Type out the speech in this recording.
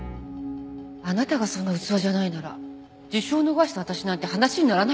あなたがそんな器じゃないなら受賞を逃した私なんて話にならないって事？